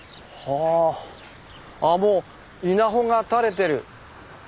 ああもう稲穂が垂れてる。